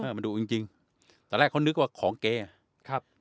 เออมันดูจริงแต่แรกเขานึกว่าของเก๊ครับ